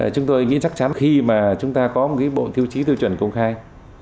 chúng tôi nghĩ chắc chắn khi mà chúng ta có một cái bộ thiêu chí tiêu chuẩn công khai